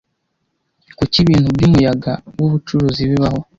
Kuki ibintu by 'umuyaga wubucuruzi' bibaho